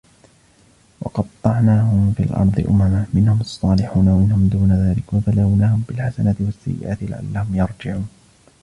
وَقَطَّعْنَاهُمْ فِي الْأَرْضِ أُمَمًا مِنْهُمُ الصَّالِحُونَ وَمِنْهُمْ دُونَ ذَلِكَ وَبَلَوْنَاهُمْ بِالْحَسَنَاتِ وَالسَّيِّئَاتِ لَعَلَّهُمْ يَرْجِعُونَ